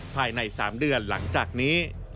ภายใน๓เดือนหลังจากนี้